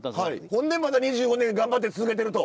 ほんでまだ２５年頑張って続けてると。